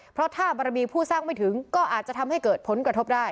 เพราะถ้าบารมีผู้สร้างไม่ถึงก็อาจจะทำให้เกิดผลกระทบได้